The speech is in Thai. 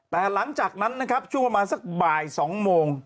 แต่หลังจากนั้นนะครับช่วงประมาณสักบ่าย๒โมง